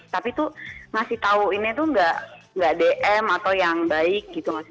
tapi itu ngasih tahu ini itu enggak dm atau yang baik gitu